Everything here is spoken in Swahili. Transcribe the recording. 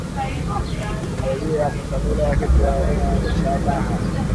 Majaribio ya kushambulia kitu hayalengi shabaha